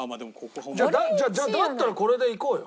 じゃあだったらこれでいこうよ。